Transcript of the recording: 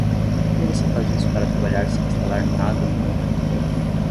Como você faz isso para trabalhar sem instalar nada no meu computador?